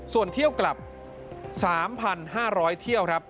ส่วนเที่ยวกลับ๓๕๐๐เที่ยวครับ